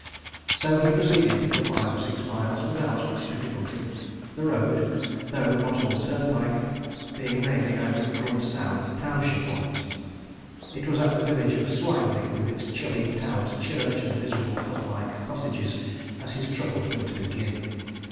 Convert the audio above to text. So he proceeded for five or six miles without much difficulty; the road, though not all turnpike, being mainly over good sound township ones. It was at the village of Swineley, with its chubby towered church and miserable hut like cottages, that his troubles were to begin.